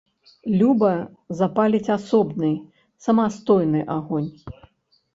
Люба запаліць асобны, самастойны агонь.